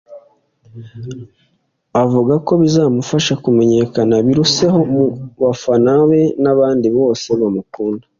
avuga ko bizamufasha kumenyekana biruseho mu bafana be n’abandi bose bamukunda